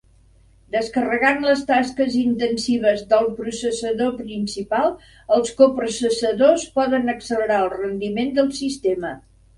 Descarregant les tasques intensives del processador principal, els coprocessadors poden accelerar el rendiment del sistema.